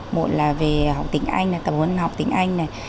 một là về học tính anh tập huấn học tính anh